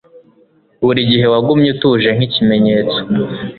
buri gihe wagumye utuje nk'ikimenyetso